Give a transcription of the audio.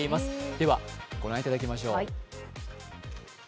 ではご覧いただきましょう。